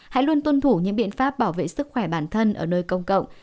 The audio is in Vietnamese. hãy luôn tuân thủ những biện pháp bảo vệ sức khỏe bản thân ở nơi công cộng